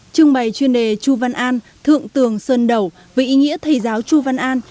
trưng bày chuyên đề chu văn an thượng tường sơn đầu với ý nghĩa thầy giáo chu văn an